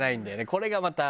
これがまた。